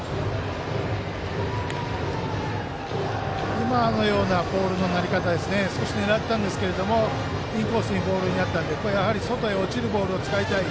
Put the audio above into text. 今のようなボールの投げ方は少し狙ったんですけどインコースにボールになったのでやはり外へ落ちるボールを使いたい。